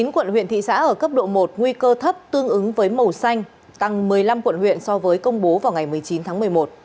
một mươi quận huyện thị xã ở cấp độ một nguy cơ thấp tương ứng với màu xanh tăng một mươi năm quận huyện so với công bố vào ngày một mươi chín tháng một mươi một